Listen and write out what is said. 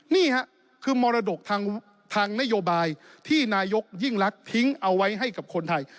นี่ค่ะคือมรดกทางนโยบายที่นายกยิ่งรักทิ้งเอาไว้ให้กับคนไทย